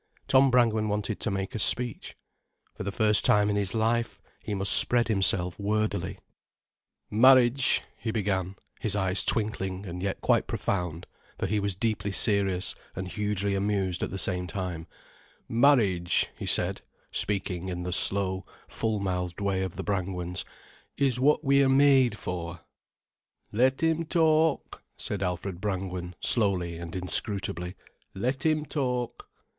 Tom Brangwen wanted to make a speech. For the first time in his life, he must spread himself wordily. "Marriage," he began, his eyes twinkling and yet quite profound, for he was deeply serious and hugely amused at the same time, "Marriage," he said, speaking in the slow, full mouthed way of the Brangwens, "is what we're made for——" "Let him talk," said Alfred Brangwen, slowly and inscrutably, "let him talk."